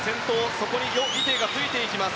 そこにヨ・イテイがついていきます。